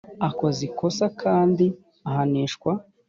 aba akoze ikosa kandi ahanishwa